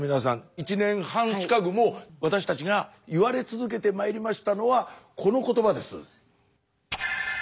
１年半近くも私たちが言われ続けてまいりましたのはこの言葉です。